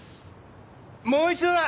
もう一度だ！